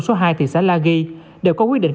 số hai thị xã la ghi đều có quy định